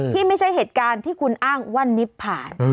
ที่ไม่ใช่เหตุการณ์ที่คุณอ้างว่านิบผ่าน